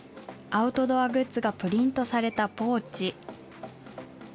アウトドアグッズがプリントされたポーチ。